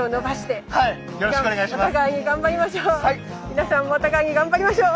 皆さんもお互いに頑張りましょう！